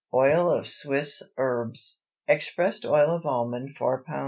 OIL OF SWISS HERBS. Expressed oil of almond 4 lb.